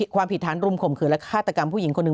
ความผิดฐานรุมข่มขืนและฆาตกรรมผู้หญิงคนหนึ่ง